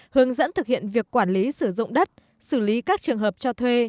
hướng dẫn thực hiện việc quản lý sử dụng đất xử lý các trường hợp cho thuê